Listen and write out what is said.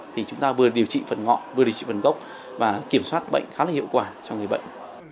thì chúng ta vừa điều trị phần ngọn vừa điều trị phần gốc và kiểm soát bệnh khá là hiệu quả cho người bệnh